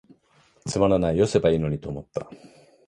つまらない、癈せばいゝのにと思つた。